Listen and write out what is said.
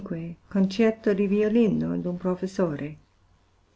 Concerto di Violino d'un Professore.